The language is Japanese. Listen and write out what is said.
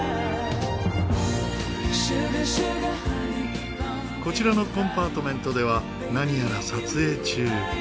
こちらのコンパートメントでは何やら撮影中。